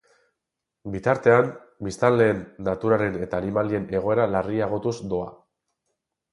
Bitartean, biztanleen, naturaren eta animalien egoera larriagotuz doa.